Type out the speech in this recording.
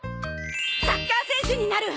サッカー選手になる！